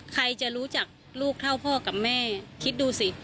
ใครจะรู้จักลูกเท่าพ่อกับแม่คิดดูสิ